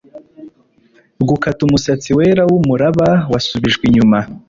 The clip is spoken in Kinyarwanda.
Gukata umusatsi wera wumuraba wasubijwe inyuma